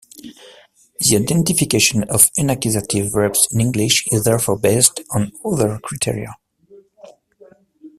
The identification of unaccusative verbs in English is therefore based on other criteria.